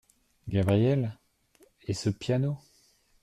Gabrielle … et ce piano !